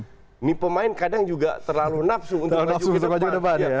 ini pemain kadang juga terlalu nafsu untuk maju ke depan ya